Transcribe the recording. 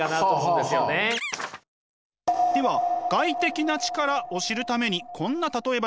では外的な力を知るためにこんな例え話。